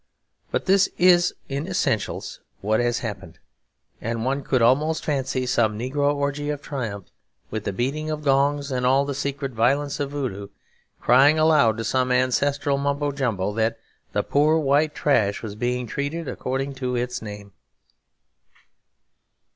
But this is in essentials what has happened; and one could almost fancy some negro orgy of triumph, with the beating of gongs and all the secret violence of Voodoo, crying aloud to some ancestral Mumbo Jumbo that the Poor White Trash was being treated according to its name.